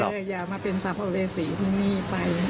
หรืออย่ามาเป็นสรรพุเรศีที่นี่ไป